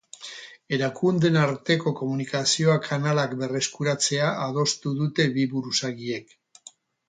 Erakundeen arteko komunikazio kanalak berreskuratzea adostu dute bi buruzagiek.